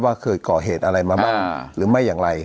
เคยก่อเหตุอะไรมาบ้างหรือไม่อย่างไร